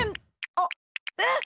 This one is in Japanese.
あっえっ！？